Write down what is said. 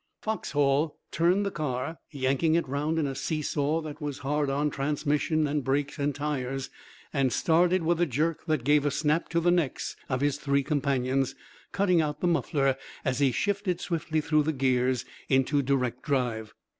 Foxhall turned the car, yanking it round in a see saw that was hard on transmission and brakes and tires, and started with a jerk that gave a snap to the necks of his three companions, cutting out the muffler as he shifted swiftly through the gears into direct drive.